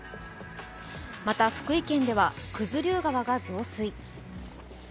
また福井県では、九頭竜川が増水。